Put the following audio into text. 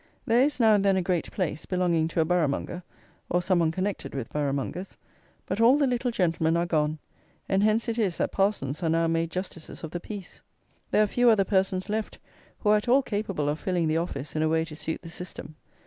There is now and then a great place, belonging to a borough monger, or some one connected with borough mongers; but all the little gentlemen are gone; and hence it is that parsons are now made justices of the peace! There are few other persons left who are at all capable of filling the office in a way to suit the system!